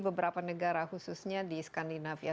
beberapa negara khususnya di skandinavia